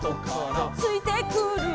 「ついてくる」